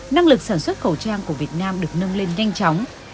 năng lực sản xuất khẩu trang của việt nam được nâng lên nhanh chóng